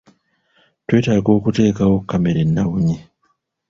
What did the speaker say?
Twetaaga okuteekayo kamera ennawunyi.